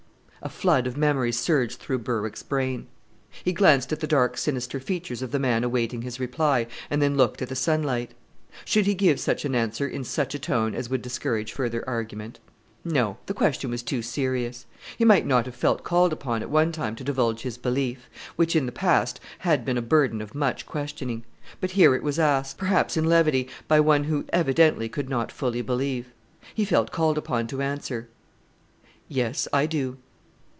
A flood of memories surged through Berwick's brain. He glanced at the dark sinister features of the man awaiting his reply and then looked at the sunlight. Should he give such an answer in such a tone as would discourage further argument? No the question was too serious. He might not have felt called upon at one time to divulge his belief, which in the past had been a burden of much questioning; but here it was asked, perhaps in levity, by one who evidently could not fully believe. He felt called upon to answer, "Yes, I do."